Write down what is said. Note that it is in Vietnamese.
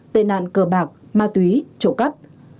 tên nạn cờ bạc ma túy trộn cắp